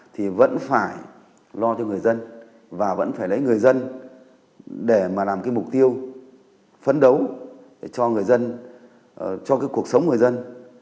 thì vẫn phải lo cho người dân và vẫn phải lấy người dân để làm mục tiêu phấn đấu cho cuộc sống người dân